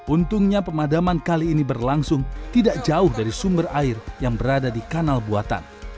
untungnya pemadaman kali ini berlangsung tidak jauh dari sumber air yang berada di kanal buatan